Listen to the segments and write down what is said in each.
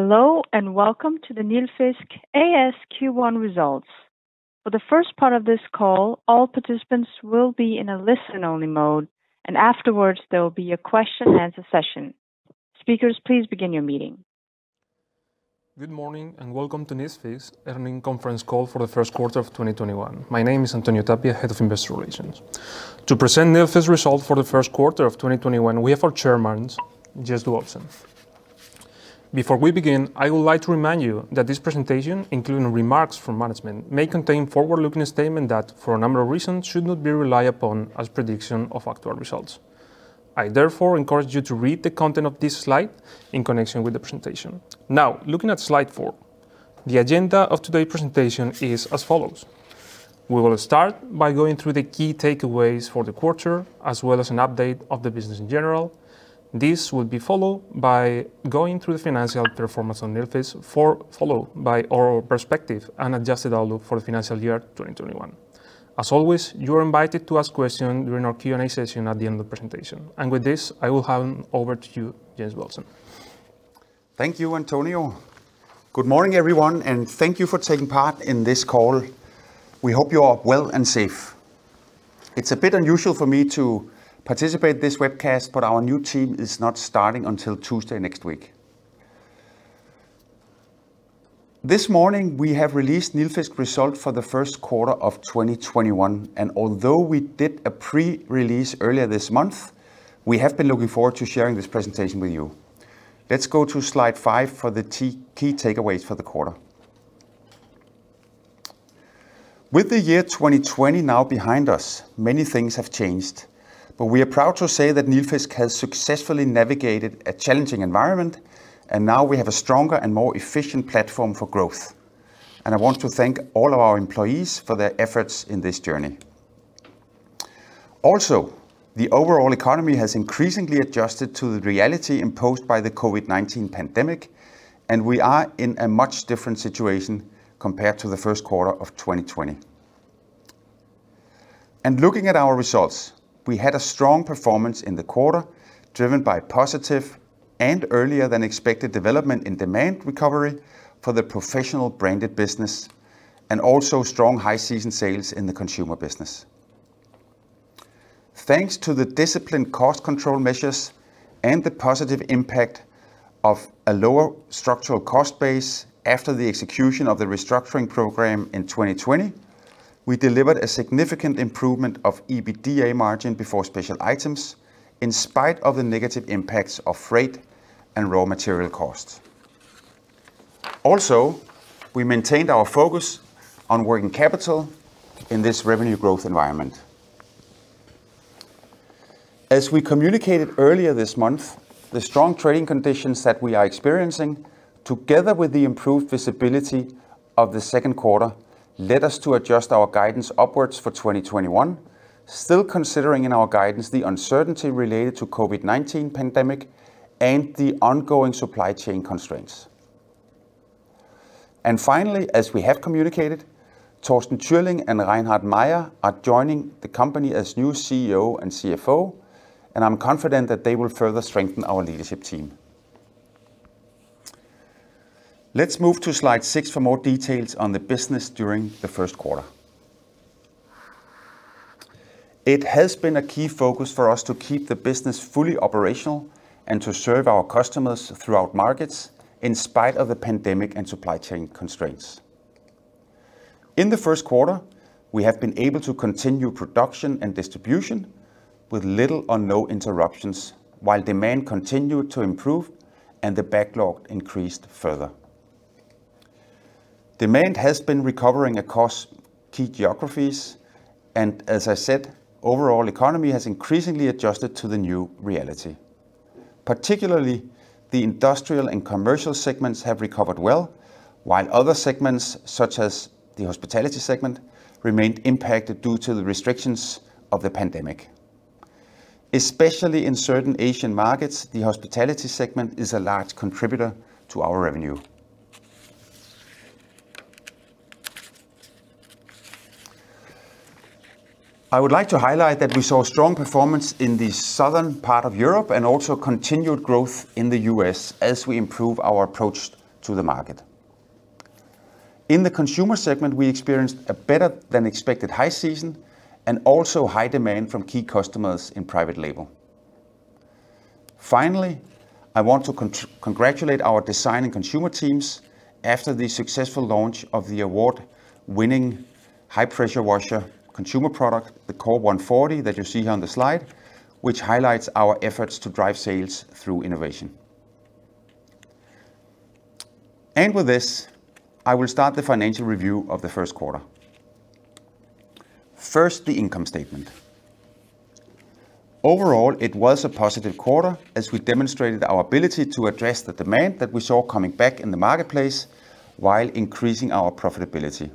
Hello, and welcome to the Nilfisk A/S Q1 results. For the first part of this call, all participants will be in a listen-only mode, and afterwards, there will be a question-and-answer session. Speakers please begin your meeting. Good morning, and welcome to Nilfisk's earnings conference call for the first quarter of 2021. My name is Antonio Tapia, Head of Investor Relations. To present Nilfisk results for the first quarter of 2021, we have our Chairman, Jens Due Olsen. Before we begin, I would like to remind you that this presentation, including remarks from management, may contain forward-looking statements that, for a number of reasons, should not be relied upon as prediction of actual results. I therefore encourage you to read the content of this slide in connection with the presentation. Now, looking at slide four. The agenda of today's presentation is as follows. We will start by going through the key takeaways for the quarter, as well as an update of the business in general. This will be followed by going through the financial performance of Nilfisk, followed by our perspective and adjusted outlook for financial year 2021. As always, you're invited to ask questions during our Q&A session at the end of presentation. With this, I will hand over to you, Jens Due Olsen. Thank you, Antonio. Good morning, everyone, and thank you for taking part in this call. We hope you are well and safe. It is a bit unusual for me to participate in this webcast, but our new team is not starting until Tuesday next week. This morning, we have released Nilfisk results for the first quarter of 2021, and although we did a pre-release earlier this month, we have been looking forward to sharing this presentation with you. Let us go to slide five for the key takeaways for the quarter. With the year 2020 now behind us, many things have changed, but we are proud to say that Nilfisk has successfully navigated a challenging environment, and now we have a stronger and more efficient platform for growth. I want to thank all of our employees for their efforts in this journey. The overall economy has increasingly adjusted to the reality imposed by the COVID-19 pandemic, and we are in a much different situation compared to the first quarter of 2020. Looking at our results, we had a strong performance in the quarter, driven by positive and earlier-than-expected development in demand recovery for the professional branded business, and also strong high season sales in the consumer business. Thanks to the disciplined cost control measures and the positive impact of a lower structural cost base after the execution of the restructuring program in 2020, we delivered a significant improvement of EBITDA margin before special items, in spite of the negative impacts of freight and raw material costs. We maintained our focus on working capital in this revenue growth environment. As we communicated earlier this month, the strong trading conditions that we are experiencing, together with the improved visibility of the second quarter, led us to adjust our guidance upwards for 2021, still considering in our guidance the uncertainty related to COVID-19 pandemic and the ongoing supply chain constraints. Finally, as we have communicated, Torsten Türling and Reinhard Mayer are joining the company as new CEO and CFO, and I'm confident that they will further strengthen our leadership team. Let's move to slide six for more details on the business during the first quarter. It has been a key focus for us to keep the business fully operational and to serve our customers throughout markets in spite of the pandemic and supply chain constraints. In the first quarter, we have been able to continue production and distribution with little or no interruptions, while demand continued to improve and the backlog increased further. Demand has been recovering across key geographies. As I said, overall economy has increasingly adjusted to the new reality. Particularly, the industrial and commercial segments have recovered well, while other segments, such as the hospitality segment, remained impacted due to the restrictions of the pandemic. Especially in certain Asian markets, the hospitality segment is a large contributor to our revenue. I would like to highlight that we saw strong performance in the southern part of Europe and also continued growth in the U.S. as we improve our approach to the market. In the consumer segment, we experienced a better-than-expected high season and also high demand from key customers in private label. Finally, I want to congratulate our design and consumer teams after the successful launch of the award-winning high-pressure washer consumer product, the Core 140, that you see here on the slide, which highlights our efforts to drive sales through innovation. With this, I will start the financial review of the first quarter. First, the income statement. Overall, it was a positive quarter as we demonstrated our ability to address the demand that we saw coming back in the marketplace while increasing our profitability.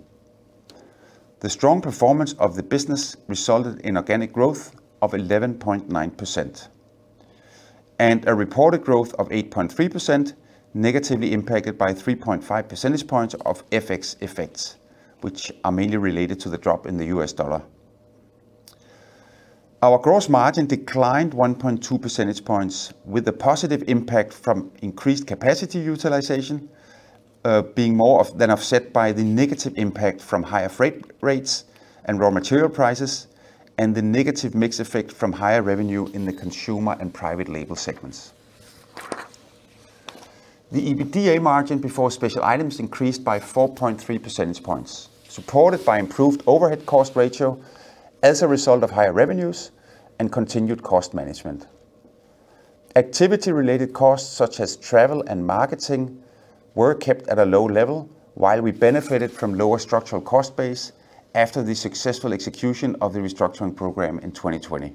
The strong performance of the business resulted in organic growth of 11.9% and a reported growth of 8.3%, negatively impacted by 3.5 percentage points of FX effects, which are mainly related to the drop in the U.S. dollar. Our gross margin declined 1.2 percentage points with a positive impact from increased capacity utilization, being more than offset by the negative impact from higher freight rates and raw material prices, and the negative mix effect from higher revenue in the consumer and private label segments. The EBITDA margin before special items increased by 4.3 percentage points, supported by improved overhead cost ratio as a result of higher revenues and continued cost management. Activity-related costs such as travel and marketing were kept at a low level, while we benefited from lower structural cost base after the successful execution of the restructuring program in 2020.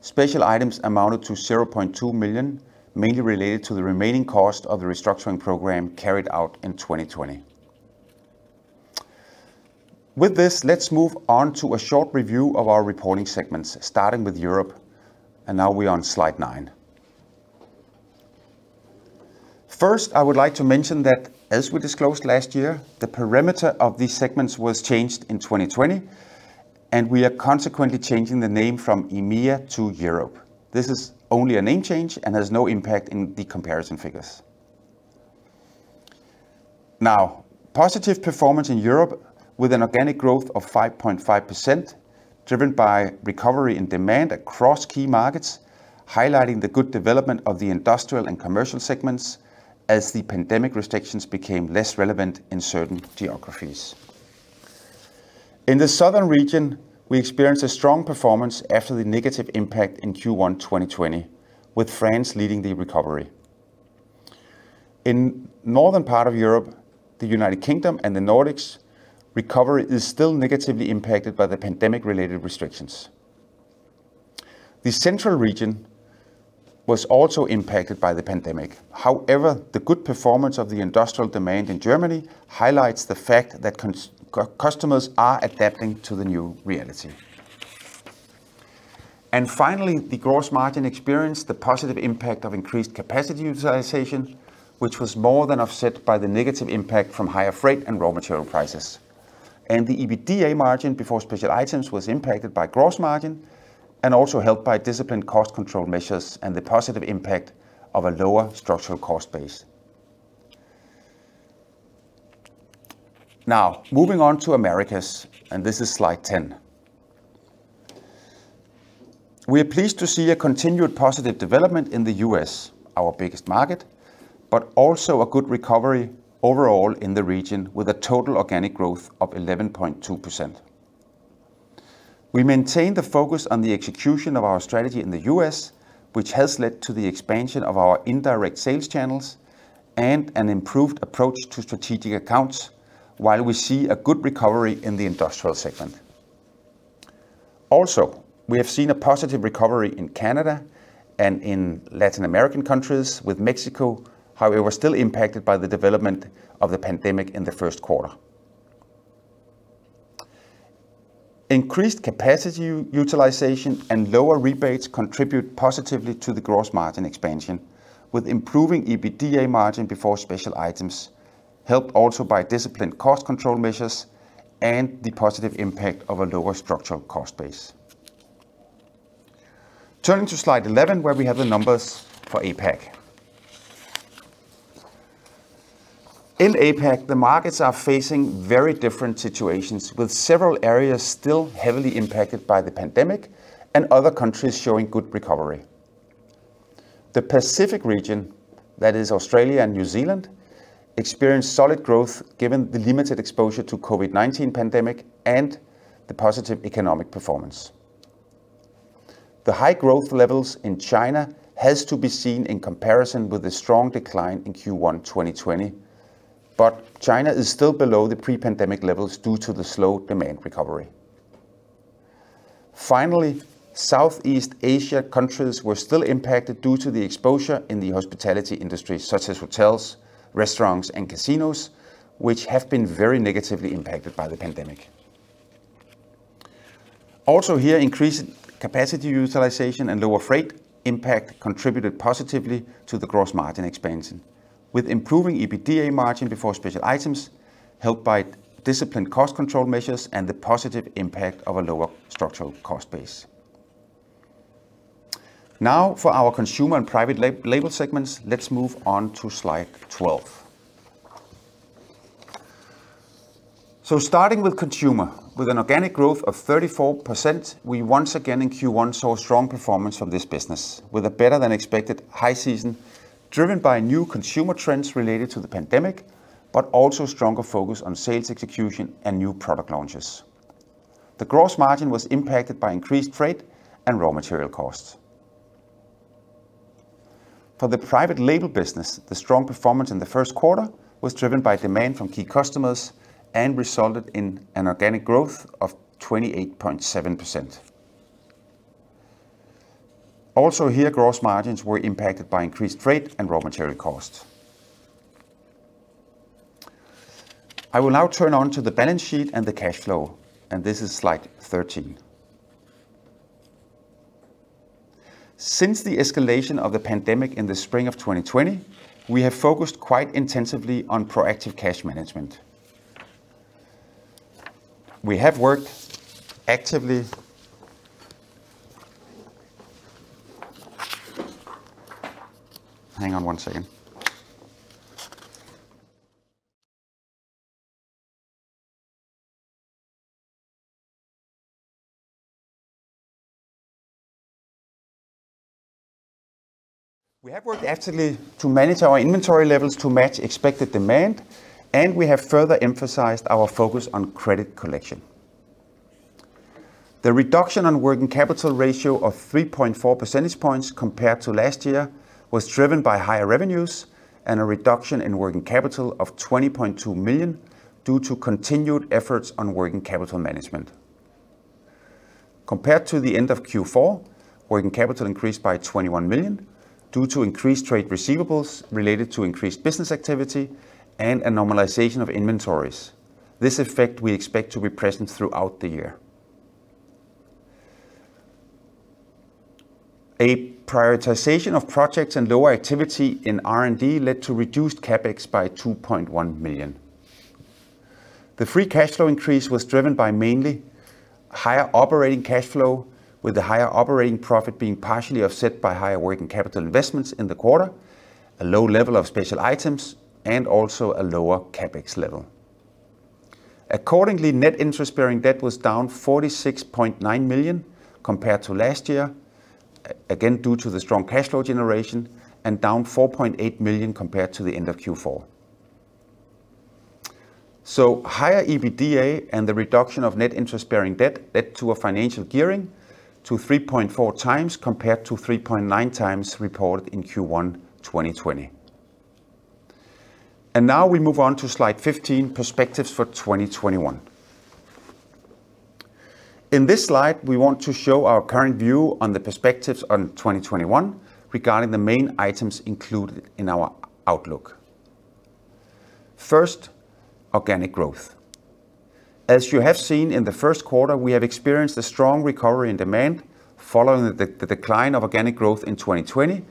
Special items amounted to 0.2 million, mainly related to the remaining cost of the restructuring program carried out in 2020. With this, let's move on to a short review of our reporting segments, starting with Europe, and now we are on slide nine. I would like to mention that as we disclosed last year, the parameter of these segments was changed in 2020, and we are consequently changing the name from EMEA to Europe. This is only a name change and has no impact in the comparison figures. Positive performance in Europe with an organic growth of 5.5%, driven by recovery and demand across key markets, highlighting the good development of the industrial and commercial segments as the pandemic restrictions became less relevant in certain geographies. In the southern region, we experienced a strong performance after the negative impact in Q1 2020, with France leading the recovery. In northern part of Europe, the United Kingdom and the Nordics, recovery is still negatively impacted by the pandemic-related restrictions. The central region was also impacted by the pandemic. However, the good performance of the industrial demand in Germany highlights the fact that customers are adapting to the new reality. Finally, the gross margin experienced the positive impact of increased capacity utilization, which was more than offset by the negative impact from higher freight and raw material prices. The EBITDA margin before special items was impacted by gross margin and also helped by disciplined cost control measures and the positive impact of a lower structural cost base. Now, moving on to Americas, and this is slide 10. We are pleased to see a continued positive development in the U.S., our biggest market, but also a good recovery overall in the region with a total organic growth of 11.2%. We maintain the focus on the execution of our strategy in the U.S., which has led to the expansion of our indirect sales channels and an improved approach to strategic accounts, while we see a good recovery in the industrial segment. Also, we have seen a positive recovery in Canada and in Latin American countries, with Mexico, however, still impacted by the development of the pandemic in the first quarter. Increased capacity utilization and lower rebates contribute positively to the gross margin expansion, with improving EBITDA margin before special items, helped also by disciplined cost control measures and the positive impact of a lower structural cost base. Turning to slide 11, where we have the numbers for APAC. In APAC, the markets are facing very different situations, with several areas still heavily impacted by the pandemic and other countries showing good recovery. The Pacific region, that is Australia and New Zealand, experienced solid growth given the limited exposure to COVID-19 pandemic and the positive economic performance. The high growth levels in China has to be seen in comparison with a strong decline in Q1 2020, but China is still below the pre-pandemic levels due to the slow demand recovery. Finally, Southeast Asia countries were still impacted due to the exposure in the hospitality industry, such as hotels, restaurants, and casinos, which have been very negatively impacted by the pandemic. Also here, increased capacity utilization and lower freight impact contributed positively to the gross margin expansion, with improving EBITDA margin before special items, helped by disciplined cost control measures and the positive impact of a lower structural cost base. Now for our consumer and private label segments, let's move on to slide 12. Starting with consumer, with an organic growth of 34%, we once again in Q1 saw strong performance from this business, with a better-than-expected high season driven by new consumer trends related to the pandemic, but also stronger focus on sales execution and new product launches. The gross margin was impacted by increased freight and raw material costs. For the private label business, the strong performance in the first quarter was driven by demand from key customers and resulted in an organic growth of 28.7%. Also here, gross margins were impacted by increased freight and raw material costs. I will now turn on to the balance sheet and the cash flow, and this is slide 13. Since the escalation of the pandemic in the spring of 2020, we have focused quite intensively on proactive cash management. We have worked actively. Hang on one second. We have worked actively to manage our inventory levels to match expected demand, and we have further emphasized our focus on credit collection. The reduction on working capital ratio of 3.4 percentage points compared to last year was driven by higher revenues and a reduction in working capital of 20.2 million due to continued efforts on working capital management. Compared to the end of Q4, working capital increased by 21 million due to increased trade receivables related to increased business activity and a normalization of inventories. This effect we expect to be present throughout the year. A prioritization of projects and lower activity in R&D led to reduced CapEx by 2.1 million. The free cash flow increase was driven by mainly higher operating cash flow, with the higher operating profit being partially offset by higher working capital investments in the quarter, a low level of special items, and also a lower CapEx level. Net interest-bearing debt was down 46.9 million compared to last year, again due to the strong cash flow generation, and down 4.8 million compared to the end of Q4. Higher EBITDA and the reduction of net interest-bearing debt led to a financial gearing to 3.4x compared to 3.9x reported in Q1 2020. Now we move on to slide 15, perspectives for 2021. In this slide, we want to show our current view on the perspectives on 2021 regarding the main items included in our outlook. First, organic growth. As you have seen in the first quarter, we have experienced a strong recovery in demand following the decline of organic growth in 2020.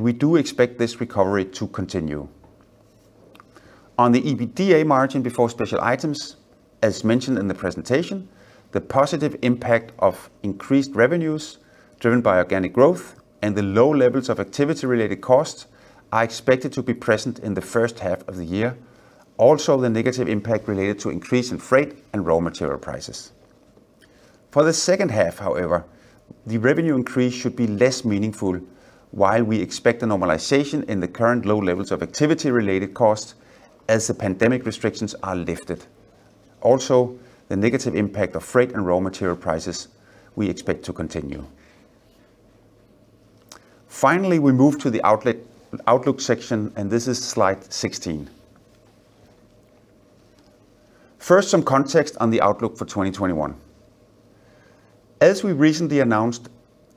We do expect this recovery to continue. On the EBITDA margin before special items, as mentioned in the presentation, the positive impact of increased revenues driven by organic growth and the low levels of activity-related costs are expected to be present in the first half of the year, also the negative impact related to increase in freight and raw material prices. For the second half, however, the revenue increase should be less meaningful while we expect a normalization in the current low levels of activity-related costs as the pandemic restrictions are lifted. Also, the negative impact of freight and raw material prices we expect to continue. Finally, we move to the outlook section. This is slide 16. First, some context on the outlook for 2021. As we recently announced,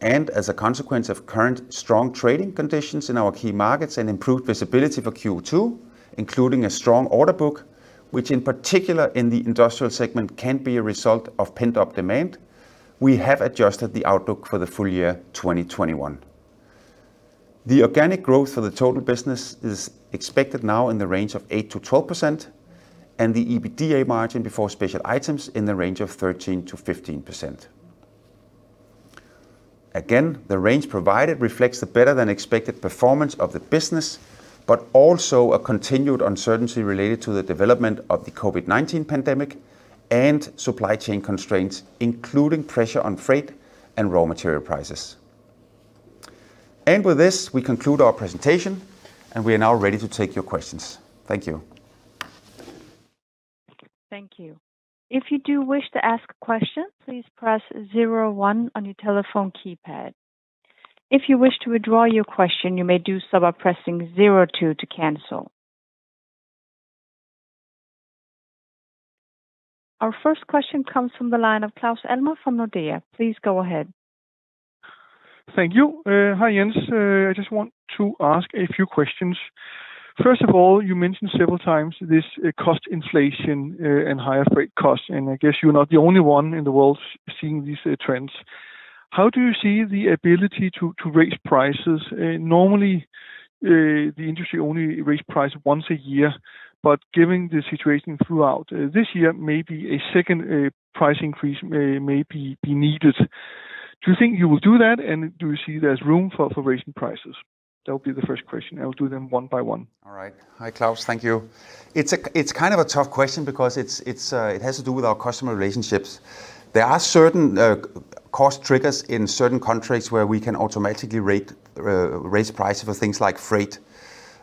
as a consequence of current strong trading conditions in our key markets and improved visibility for Q2, including a strong order book, which in particular in the industrial segment can be a result of pent-up demand, we have adjusted the outlook for the full year 2021. The organic growth for the total business is expected now in the range of 8%-12%, the EBITDA margin before special items in the range of 13%-15%. Again, the range provided reflects the better-than-expected performance of the business, also a continued uncertainty related to the development of the COVID-19 pandemic and supply chain constraints, including pressure on freight and raw material prices. With this, we conclude our presentation, we are now ready to take your questions. Thank you. Thank you. If you do wish to ask a question, please press zero one on your telephone keypad. If you wish to withdraw your question, you may do so by pressing zero two to cancel. Our first question comes from the line of Claus Almer from Nordea. Please go ahead. Thank you. Hi, Jens. I just want to ask a few questions. First of all, you mentioned several times this cost inflation and higher freight cost, and I guess you're not the only one in the world seeing these trends. How do you see the ability to raise prices? Normally, the industry only raise price once a year, but given the situation throughout this year, maybe a second price increase may be needed. Do you think you will do that? Do you see there's room for raising prices? That would be the first question. I'll do them one by one. All right. Hi, Claus. Thank you. It's kind of a tough question because it has to do with our customer relationships. There are certain cost triggers in certain countries where we can automatically raise prices for things like freight.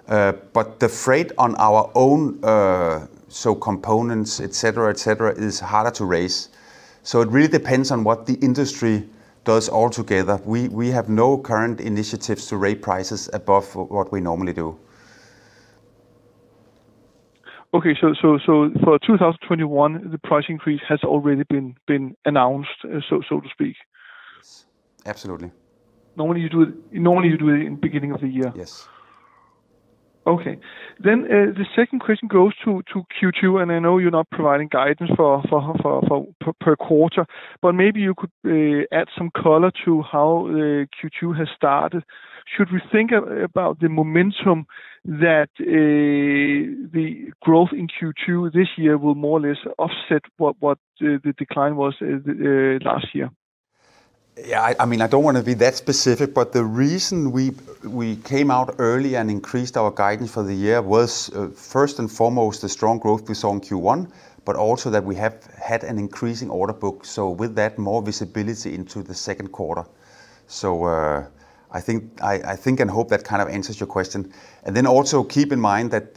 The freight on our own, so components, et cetera, is harder to raise. It really depends on what the industry does altogether. We have no current initiatives to raise prices above what we normally do. Okay. For 2021, the price increase has already been announced, so to speak? Yes, absolutely. Normally, you do it in beginning of the year? Yes. Okay. The second question goes to Q2. I know you're not providing guidance per quarter. Maybe you could add some color to how Q2 has started. Should we think about the momentum that the growth in Q2 this year will more or less offset what the decline was last year? I don't want to be that specific, but the reason we came out early and increased our guidance for the year was first and foremost the strong growth we saw in Q1, but also that we have had an increasing order book, so with that, more visibility into the second quarter. I think and hope that kind of answers your question. Also keep in mind that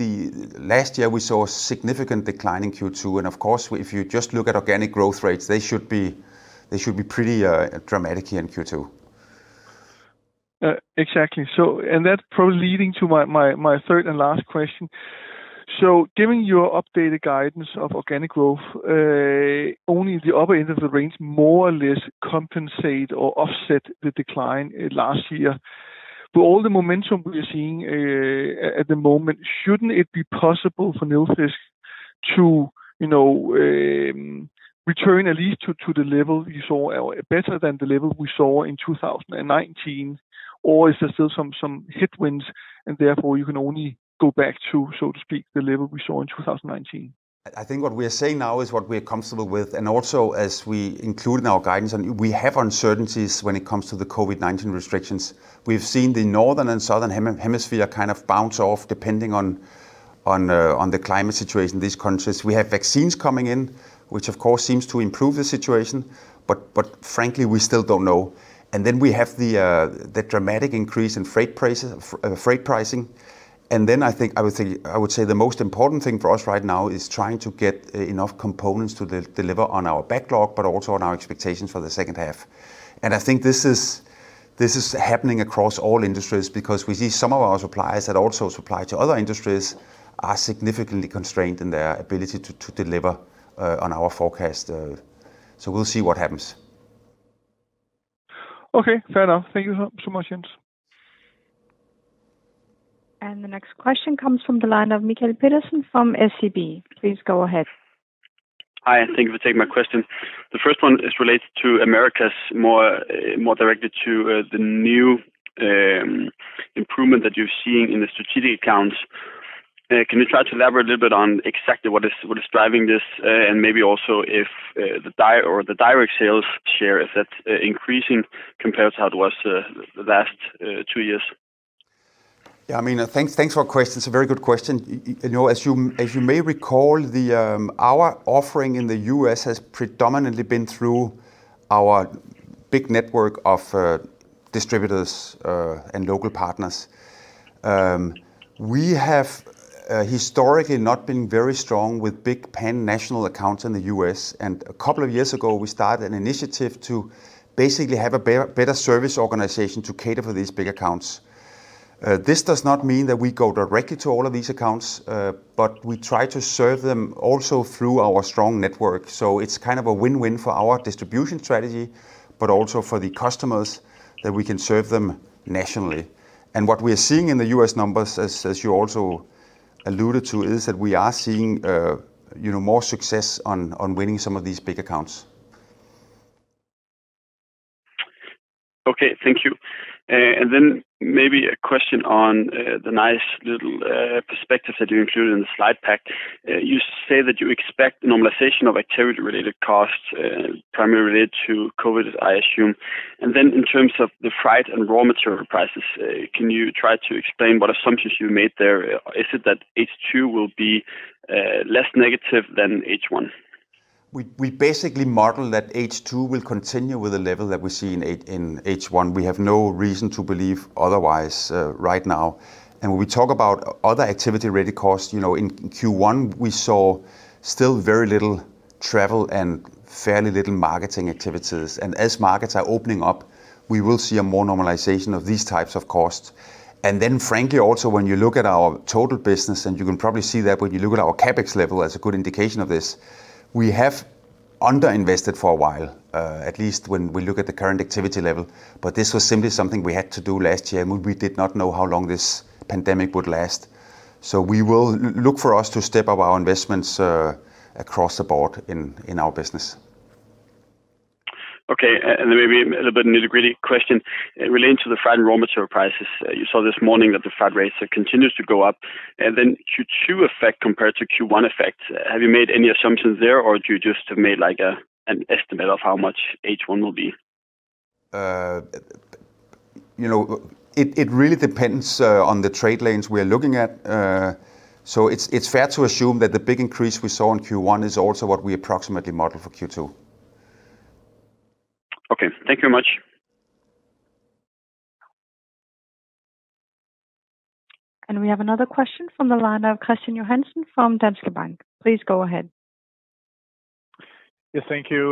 last year we saw a significant decline in Q2, and of course, if you just look at organic growth rates, they should be pretty dramatic in Q2. Exactly. That's leading to my third and last question. Given your updated guidance of organic growth, only the upper end of the range more or less compensate or offset the decline last year. With all the momentum we're seeing at the moment, shouldn't it be possible for Nilfisk to return at least to the level you saw, or better than the level we saw in 2019? Is there still some headwinds, and therefore you can only go back to, so to speak, the level we saw in 2019? I think what we are saying now is what we are comfortable with, and also as we include in our guidance, we have uncertainties when it comes to the COVID-19 restrictions. We've seen the northern and southern hemisphere kind of bounce off depending on the climate situation in these countries. We have vaccines coming in, which of course seems to improve the situation, but frankly, we still don't know. Then we have the dramatic increase in freight pricing. Then I think, I would say the most important thing for us right now is trying to get enough components to deliver on our backlog, but also on our expectations for the second half. I think this is happening across all industries because we see some of our suppliers that also supply to other industries are significantly constrained in their ability to deliver on our forecast. We'll see what happens. Okay, fair enough. Thank you so much, Jens. The next question comes from the line of Mikael Petersen from SEB. Please go ahead. Hi, thank you for taking my question. The first one is related to Americas, more directed to the new improvement that you're seeing in the strategic accounts. Can you try to elaborate a bit on exactly what is driving this, and maybe also if the direct sales share, if that's increasing compared to how it was the last two years? Thanks for the question. It's a very good question. As you may recall, our offering in the U.S. has predominantly been through our big network of distributors and local partners. We have historically not been very strong with big pan-national accounts in the U.S., and a couple of years ago, we started an initiative to basically have a better service organization to cater for these big accounts. This does not mean that we go directly to all of these accounts, but we try to serve them also through our strong network. So it's kind of a win-win for our distribution strategy, but also for the customers that we can serve them nationally. And what we're seeing in the U.S. numbers, as you also alluded to, is that we are seeing more success on winning some of these big accounts. Okay, thank you. Maybe a question on the nice little perspectives that you included in the slide pack. You say that you expect normalization of activity-related costs, primarily related to COVID, I assume. In terms of the freight and raw material prices, can you try to explain what assumptions you made there? Is it that H2 will be less negative than H1? We basically model that H2 will continue with the level that we see in H1. We have no reason to believe otherwise right now. When we talk about other activity-ready costs, in Q1, we saw still very little travel and fairly little marketing activities. As markets are opening up, we will see a more normalization of these types of costs. Frankly, also, when you look at our total business, and you can probably see that when you look at our CapEx level as a good indication of this, we have under-invested for a while, at least when we look at the current activity level, but this was simply something we had to do last year. We did not know how long this pandemic would last. We will look for us to step up our investments across the board in our business. Okay, maybe a little bit nitty-gritty question relating to the freight and raw material prices. You saw this morning that the freight rates are continuing to go up, Q2 effect compared to Q1 effect. Have you made any assumptions there, or do you just make an estimate of how much H1 will be? It really depends on the trade lanes we are looking at. It's fair to assume that the big increase we saw in Q1 is also what we approximately model for Q2. Okay. Thank you much. We have another question from the line of Christian Johansen from Danske Bank. Please go ahead. Yes, thank you.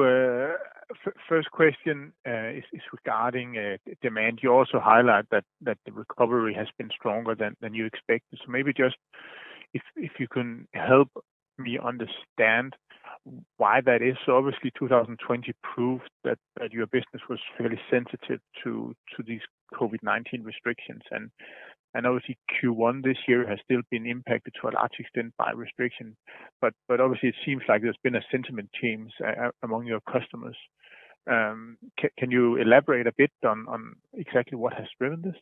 First question is regarding demand. You also highlight that the recovery has been stronger than you expected. Maybe just-If you can help me understand why that is. Obviously, 2020 proved that your business was fairly sensitive to these COVID-19 restrictions, and obviously Q1 this year has still been impacted to a large extent by restrictions. Obviously, it seems like there's been a sentiment change among your customers. Can you elaborate a bit on exactly what has driven this?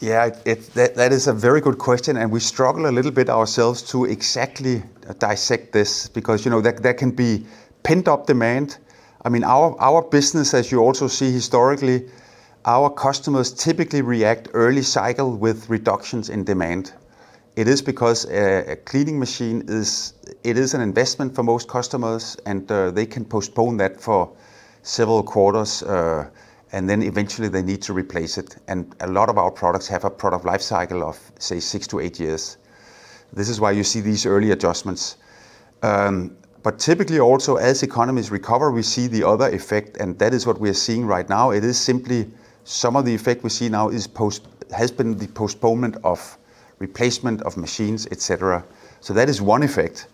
Yeah, that is a very good question, and we struggle a little bit ourselves to exactly dissect this because that can be pent-up demand. Our business, as you also see historically, our customers typically react early cycle with reductions in demand. It is because a cleaning machine is an investment for most customers, and they can postpone that for several quarters, and then eventually they need to replace it. A lot of our products have a product life cycle of, say, six to eight years. This is why you see these early adjustments. Typically also as economies recover, we see the other effect, and that is what we are seeing right now. It is simply some of the effect we see now has been the postponement of replacement of machines, et cetera. That is one effect.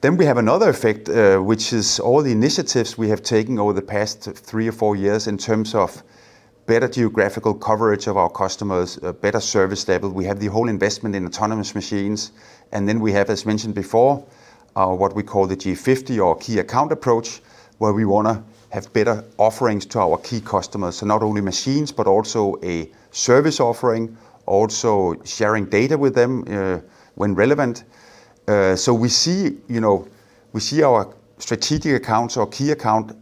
We have another effect, which is all the initiatives we have taken over the past three or four years in terms of better geographical coverage of our customers, a better service level. We have the whole investment in autonomous machines. We have, as mentioned before, what we call the T50 or key account approach, where we want to have better offerings to our key customers. Not only machines, but also a service offering, also sharing data with them when relevant. We see our strategic accounts, our key account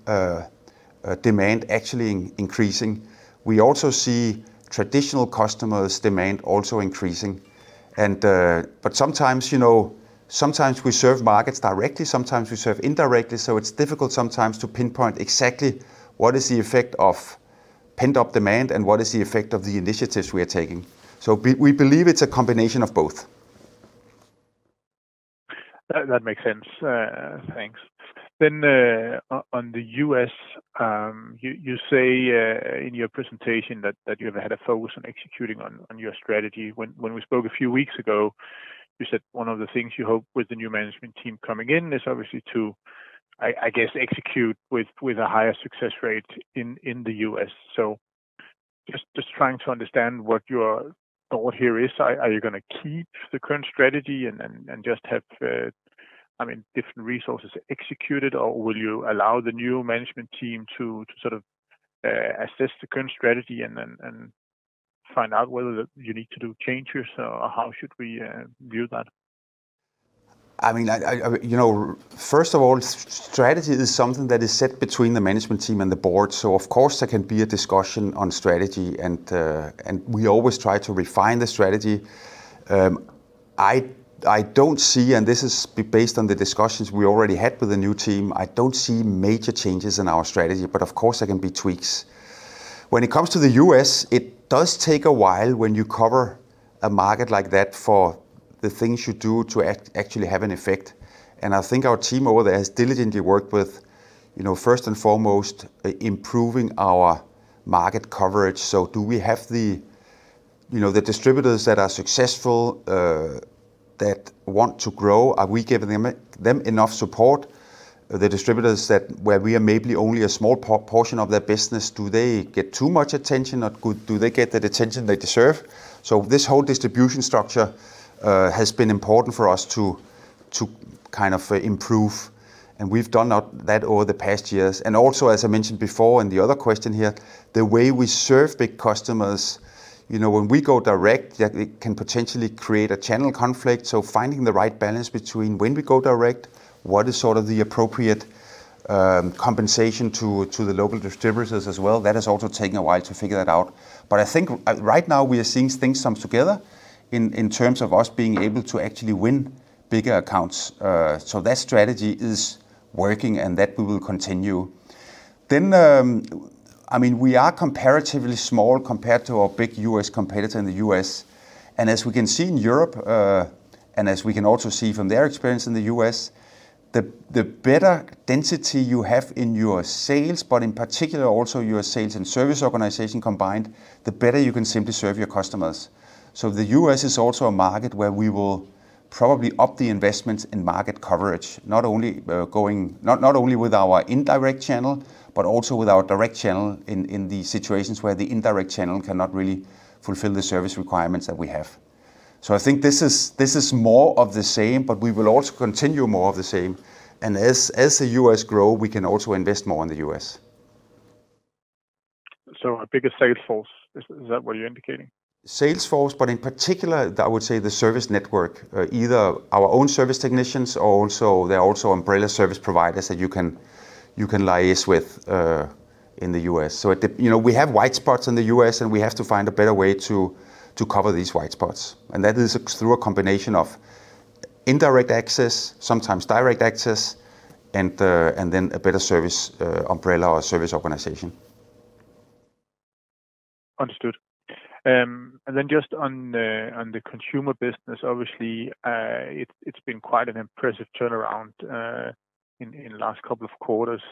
demand actually increasing. We also see traditional customers' demand also increasing. Sometimes we serve markets directly, sometimes we serve indirectly, so it's difficult sometimes to pinpoint exactly what is the effect of pent-up demand and what is the effect of the initiatives we are taking. We believe it's a combination of both. That makes sense. Thanks. On the U.S., you say in your presentation that you have had a focus on executing on your strategy. When we spoke a few weeks ago, you said one of the things you hope with the new management team coming in is obviously to, I guess, execute with a higher success rate in the U.S. Just trying to understand what your thought here is. Are you going to keep the current strategy and then just have different resources to execute it, or will you allow the new management team to sort of assess the current strategy and find out whether you need to do changes, or how should we view that? First of all, strategy is something that is set between the management team and the board. Of course, there can be a discussion on strategy, and we always try to refine the strategy. I don't see, and this is based on the discussions we already had with the new team, I don't see major changes in our strategy, but of course, there can be tweaks. When it comes to the U.S., it does take a while when you cover a market like that for the things you do to actually have an effect. I think our team over there has diligently worked with, first and foremost, improving our market coverage. Do we have the distributors that are successful, that want to grow? Are we giving them enough support? The distributors that where we are maybe only a small portion of their business, do they get too much attention? Do they get the attention they deserve? This whole distribution structure has been important for us to kind of improve, and we've done that over the past years. Also, as I mentioned before, and the other question here, the way we serve the customers, when we go direct, that it can potentially create a channel conflict. Finding the right balance between when we go direct, what is sort of the appropriate compensation to the local distributors as well. That has also taken a while to figure that out. I think right now we are seeing things come together in terms of us being able to actually win bigger accounts. That strategy is working, and that will continue. We are comparatively small compared to our big U.S. competitor in the U.S. As we can see in Europe, and as we can also see from their experience in the U.S., the better density you have in your sales, but in particular also your sales and service organization combined, the better you can simply serve your customers. The U.S. is also a market where we will probably up the investments in market coverage, not only with our indirect channel, but also with our direct channel in the situations where the indirect channel cannot really fulfill the service requirements that we have. I think this is more of the same, but we will also continue more of the same. As the U.S. grow, we can also invest more in the U.S. A bigger sales force, is that what you're indicating? Sales force, but in particular, I would say the service network, either our own service technicians or also they're also umbrella service providers that you can liaise with in the U.S. We have white spots in the U.S., and we have to find a better way to cover these white spots. That is through a combination of indirect access, sometimes direct access, and then a better service umbrella or service organization. Understood. Just on the consumer business, obviously, it's been quite an impressive turnaround in the last couple of quarters.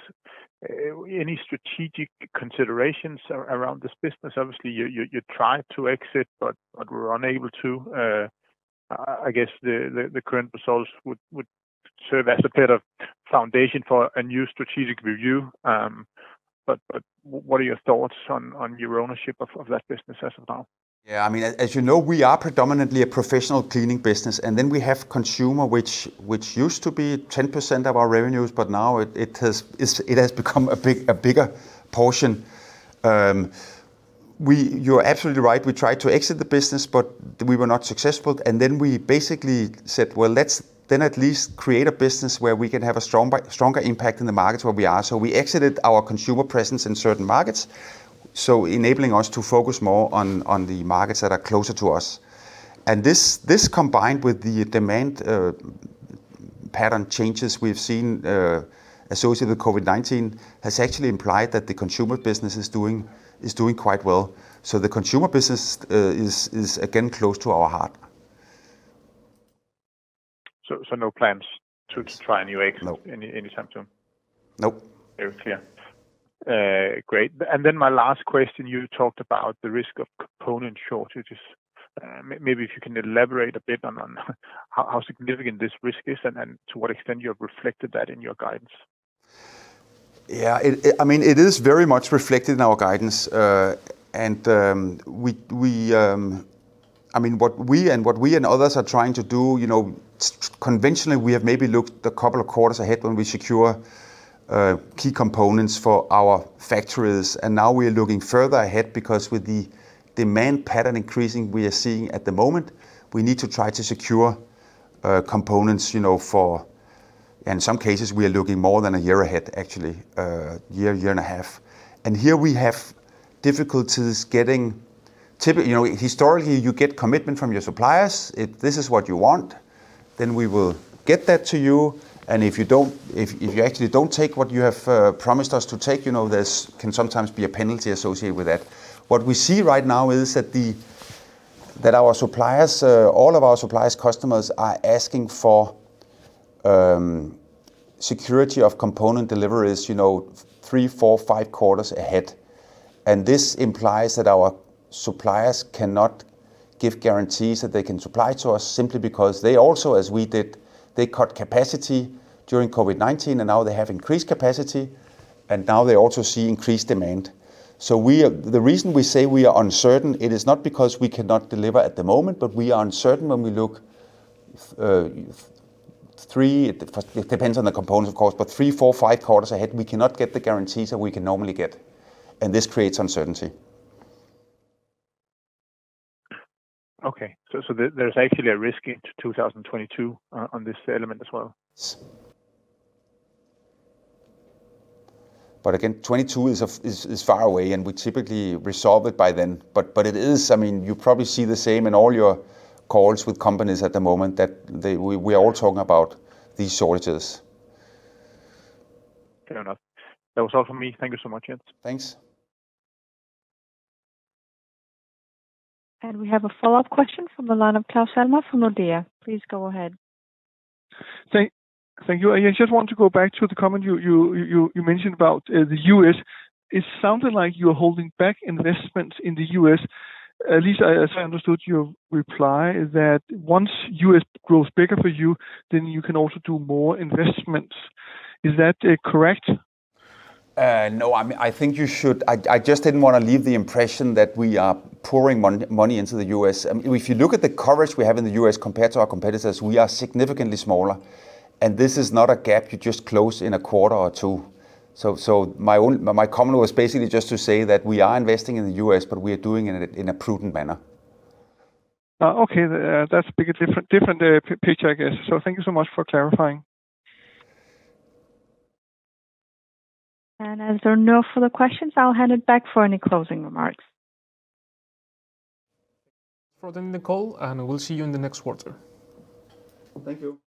Any strategic considerations around this business? Obviously, you tried to exit, but were unable to. I guess the current results would serve as a bit of foundation for a new strategic review. What are your thoughts on your ownership of that business as of now? Yeah. As you know, we are predominantly a professional cleaning business, and then we have consumer, which used to be 10% of our revenues, but now it has become a bigger portion. You're absolutely right. We tried to exit the business, but we were not successful, and then we basically said, "Well, let's then at least create a business where we can have a stronger impact in the markets where we are." We exited our consumer presence in certain markets, enabling us to focus more on the markets that are closer to us. This, combined with the demand pattern changes we've seen associated with COVID-19, has actually implied that the consumer business is doing quite well. The consumer business is again close to our heart. No plans to try and exit any time soon? No. Very clear. Great. My last question, you talked about the risk of component shortages. Maybe if you can elaborate a bit on how significant this risk is and then to what extent you have reflected that in your guidance. Yeah. It is very much reflected in our guidance. What we and others are trying to do, conventionally, we have maybe looked a couple of quarters ahead when we secure key components for our factories. Now we are looking further ahead because with the demand pattern increasing we are seeing at the moment, we need to try to secure components for, in some cases, we are looking more than a year ahead, actually. A year and a half. Here we have difficulties. Historically, you get commitment from your suppliers. If this is what you want, then we will get that to you. If you actually don't take what you have promised us to take, there can sometimes be a penalty associated with that. What we see right now is that all of our suppliers' customers are asking for security of component deliveries three, four, five quarters ahead. This implies that our suppliers cannot give guarantees that they can supply to us simply because they also, as we did, they cut capacity during COVID-19, and now they have increased capacity, and now they also see increased demand. The reason we say we are uncertain, it is not because we cannot deliver at the moment, but we are uncertain when we look three, it depends on the component, of course, but three, four, five quarters ahead. We cannot get the guarantees that we can normally get. This creates uncertainty. Okay. There's actually a risk into 2022 on this element as well? Again, 2022 is far away, and we typically resolve it by then. It is. You probably see the same in all your calls with companies at the moment, that we're all talking about these shortages. Fair enough. That was all from me. Thank you so much. Thanks. We have a follow-up question from the line of Claus Almer from Nordea. Please go ahead. Thank you. I just want to go back to the comment you mentioned about the U.S. It sounded like you're holding back investments in the U.S. At least as I understood your reply, that once U.S. grows bigger for you, then you can also do more investments. Is that correct? No. I just didn't want to leave the impression that we are pouring money into the U.S. If you look at the coverage we have in the U.S. compared to our competitors, we are significantly smaller, and this is not a gap you just close in a quarter or two. My comment was basically just to say that we are investing in the U.S., but we are doing it in a prudent manner. Okay. That's a different picture, I guess. Thank you so much for clarifying. As there are no further questions, I'll hand it back for any closing remarks. Thanks for the call, and we'll see you in the next quarter. Thank you.